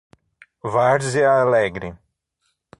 Várzea Alegre